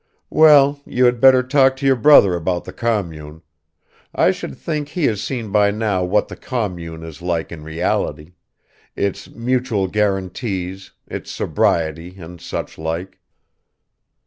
"Well, you had better talk to your brother about the commune. I should think he has seen by now what the commune is like in reality its mutual guarantees, its sobriety and suchlike."